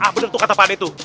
gak bener tuh kata pak ade tuh